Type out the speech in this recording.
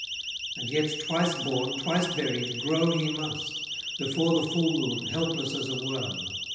And yet, twice born, twice buried, grow he must, Before the full moon, helpless as a worm.